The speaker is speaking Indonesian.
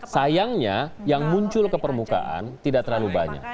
sayangnya yang muncul ke permukaan tidak terlalu banyak